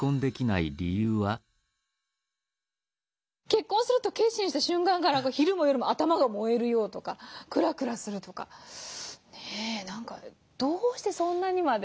「結婚すると決心した瞬間から昼も夜も頭が燃えるよう」とか「くらくらする」とかどうしてそんなにまで。